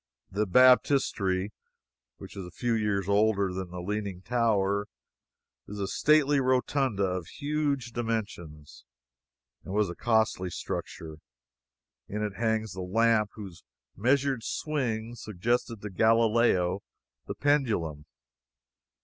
The Baptistery, which is a few years older than the Leaning Tower, is a stately rotunda, of huge dimensions, and was a costly structure. In it hangs the lamp whose measured swing suggested to Galileo the pendulum.